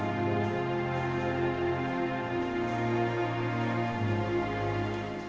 mencari rezeki di ibu kota